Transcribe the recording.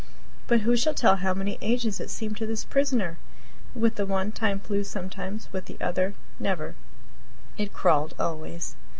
But who shall tell how many ages it seemed to this prisoner? With the one, time flew sometimes; with the other, never it crawled always.